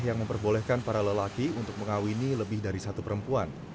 yang memperbolehkan para lelaki untuk mengawini lebih dari satu perempuan